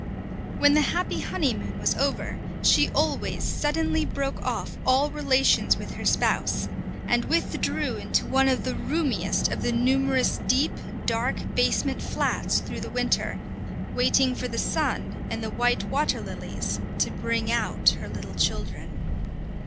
When the happy honeymoon was over, she always suddenly broke off all relations with her spouse, and withdrew into one of the roomiest of the numerous deep, dark, basement flats through the winter, waiting for the sun and the white water lilies to bring out her little children.